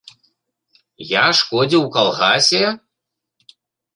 Я шкодзіў у калгасе?